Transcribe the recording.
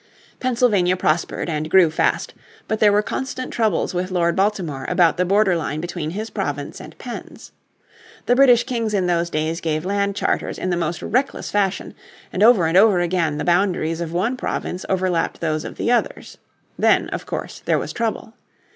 Pennsylvania prospered and grew fast, but there were constant troubles with Lord Baltimore about the border line between his province and Penn's. The British Kings in those days gave land charters in the most reckless fashion and over and over again the boundaries of one province overlapped those of the others. Then of course there was trouble.